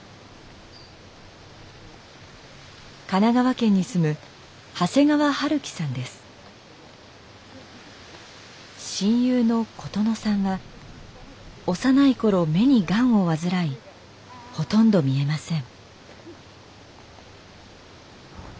神奈川県に住む親友の琴乃さんは幼い頃目にガンを患いほとんど見えません。